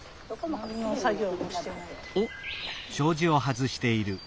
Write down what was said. おっ。